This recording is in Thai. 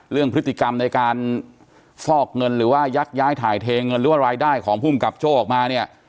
เรื่องพฤติกรรมในการฟอกเงินหรือว่ายักย้ายถ่ายเทเงินหรือว่ารายได้ของภูมิกับโจ้ออกมาเนี่ย